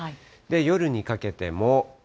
夜にかけても。